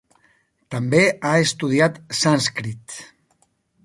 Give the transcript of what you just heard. També ha estudiat sànscrit.